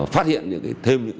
phát hiện thêm